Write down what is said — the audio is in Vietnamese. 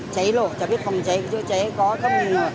cháy lộ cháu biết không cháy chứ cháy có không